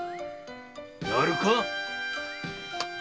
やるか？